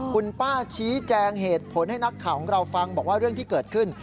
คุณป้าชี้แจงเหตุผลให้นักข่าวของเราฟังบอกว่าเรื่องที่เกิดขึ้น